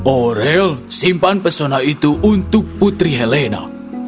orel simpan pesona itu untuk putri helena